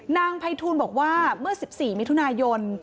นายภัยทูลบอกว่าเมื่อ๑๔มิถุนายน